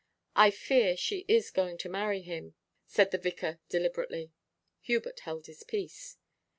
'I fear she is going to marry him,' said the vicar deliberately. Hubert held his peace.